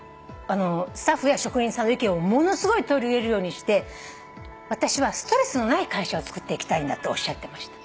スタッフや職人さんの意見をものすごい取り入れるようにして私はストレスのない会社をつくっていきたいんだっておっしゃってました。